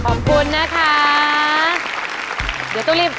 อุปกรณ์ทำสวนชนิดใดราคาถูกที่สุด